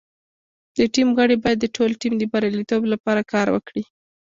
د ټیم غړي باید د ټول ټیم د بریالیتوب لپاره کار وکړي.